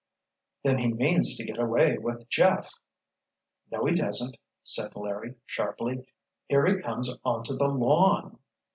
"Then he means to get away with Jeff——" "No he doesn't!" said Larry, sharply. "Here he comes onto the lawn!"